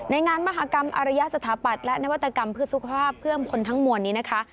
งานมหากรรมอารยสถาปัตย์และนวัตกรรมเพื่อสุขภาพเพิ่มคนทั้งมวลนี้นะคะ